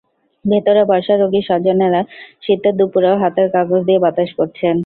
ভেতরে বসা রোগীর স্বজনেরা শীতের দুপুরেও হাতের কাগজ দিয়ে বাতাস করছেন।